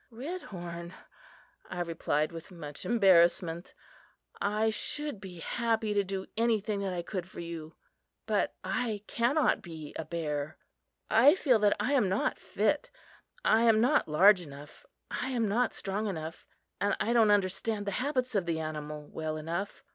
"Redhorn," I replied with much embarrassment, "I should be happy to do anything that I could for you, but I cannot be a bear. I feel that I am not fit. I am not large enough; I am not strong enough; and I don't understand the habits of the animal well enough.